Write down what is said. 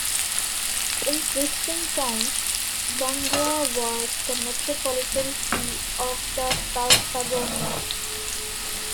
In Christian times, Gangra was the metropolitan see of Paphlagonia.